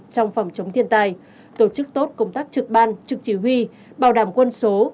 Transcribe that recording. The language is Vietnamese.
trong phòng chống thiên tai tổ chức tốt công tác trực ban trực chỉ huy bảo đảm quân số